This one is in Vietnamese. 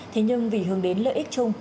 thế nhưng vì hướng đến lợi ích chung